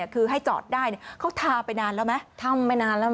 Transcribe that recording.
คือให้จอดได้เขาทาไปนานแล้วไหม